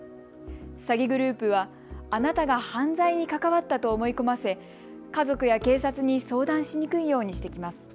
詐欺グループはあなたが犯罪に関わったと思い込ませ家族や警察に相談しにくいようにしてきます。